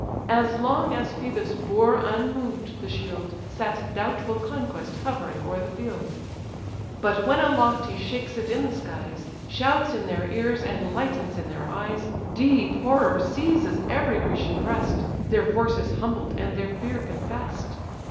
As long as Phœbus bore unmoved the shield, Sat doubtful conquest hovering o'er the field; But when aloft he shakes it in the skies, Shouts in their ears, and lightens in their eyes, Deep horror seizes every Grecian breast, Their force is humbled, and their fear confess'd.